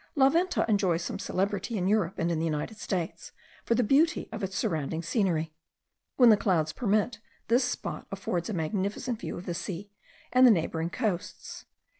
La Venta enjoys some celebrity in Europe and in the United States, for the beauty of its surrounding scenery. When the clouds permit, this spot affords a magnificent view of the sea, and the neighbouring coasts.